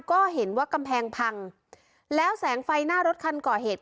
ก็เห็นว่ากำแพงพังแล้วแสงไฟหน้ารถคันก่อเหตุ